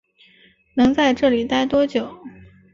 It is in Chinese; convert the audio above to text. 能在这里待多久